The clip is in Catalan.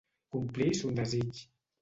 Complir son desig.